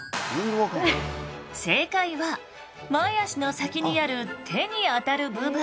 正解は前あしの先にある手にあたる部分。